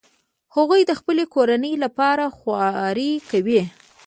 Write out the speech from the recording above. هغوی د خپلې کورنۍ لپاره خواري کوي